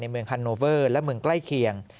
เมืองฮันโนเวอร์และเมืองใกล้เคียง